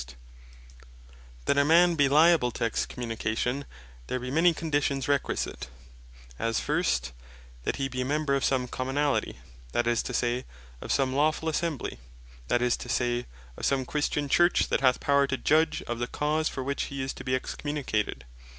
Of Persons Liable To Excommunication That a man be liable to Excommunication, there be many conditions requisite; as First, that he be a member of some Commonalty, that is to say, of some lawfull Assembly, that is to say, of some Christian Church, that hath power to judge of the cause for which hee is to bee Excommunicated.